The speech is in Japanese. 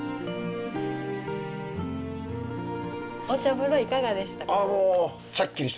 風呂いかがでしたか？